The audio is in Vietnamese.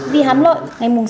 vì hắn lợi